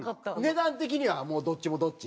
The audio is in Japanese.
値段的にはもうどっちもどっち？